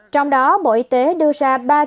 trong đó bộ y tế đưa ra ba tiêu chí tiên tri